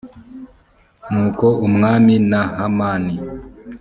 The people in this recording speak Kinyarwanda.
nuko umwami na hamani